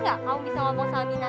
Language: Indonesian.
kamu minta apa dari dia